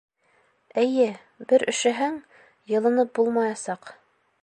Эйе, бер өшөһәң, йылынып булмаясаҡ.